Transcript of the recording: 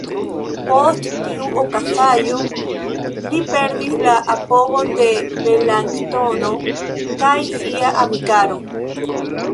Post tiu okazaĵo, li perdis la apogon de Melanktono kaj sia amikaro.